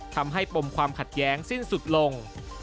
ทำให้ปมความขัดแย้งสิ้นสุดลง